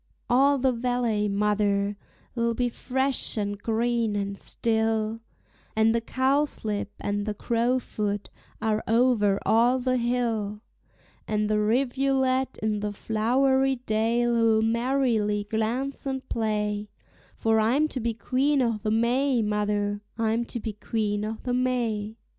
All the valley, mother, 'll be fresh and green and still, And the cowslip and the crowfoot are over all the hill, And the rivulet in the flowery dale'll merrily glance and play, For I'm to be Queen o'the May, mother, I'm to be Queen o'the May.